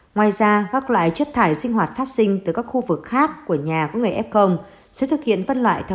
ngoài ra các loại chất thải sinh hoạt phát sinh từ các khu vực khác của nhà của người f